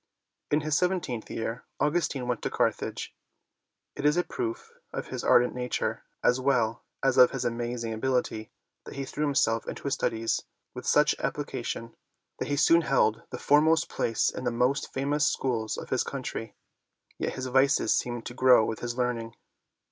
Ill In his seventeenth year Augustine went to Carthage. It is a proof of his ardent nature, as well as of his amazing ability, that he threw himself into his studies with such appli cation that he soon held the foremost place in the most famous schools of his country. Yet his vices seemed to grow with his learning.